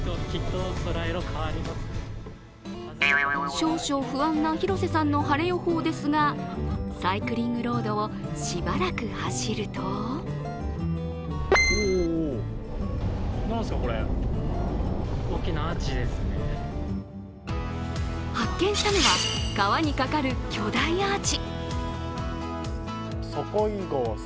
少々不安な広瀬さんの晴れ予報ですがサイクリングロードをしばらく走ると発見したのは川にかかる巨大アーチ。